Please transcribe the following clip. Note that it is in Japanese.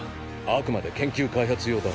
あくまで研究開発用だ。